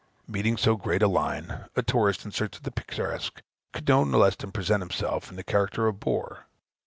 Meeting so great a lion, a tourist, in search of the picturesque, could do no less than present himself in the character of bore.